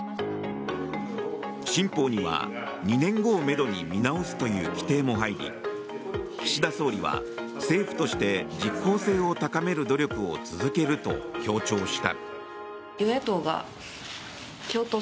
新法には２年後をめどに見直すという規定も入り岸田総理は政府として実効性を高める努力を続けると強調した。